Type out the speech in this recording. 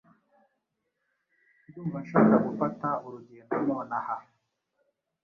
Ndumva nshaka gufata urugendo nonaha.